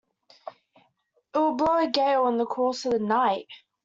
It'll blow a gale in the course of the night!